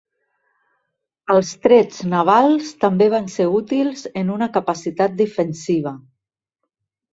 Els trets navals també van ser útils en una capacitat defensiva.